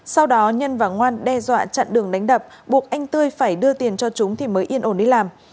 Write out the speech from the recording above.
sau đó nhân và ngoan đe dọa chặn đường đánh đập buộc anh tươi phải đưa tiền cho chúng thì mới yên ổn đi làm